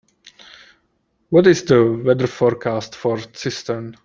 What is the weather forecast for Cistern